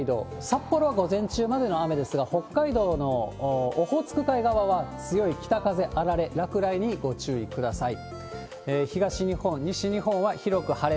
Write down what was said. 札幌は午前中までの雨ですが、北海道のオホーツク海側は強い北風、あられ、落雷にご注意ください。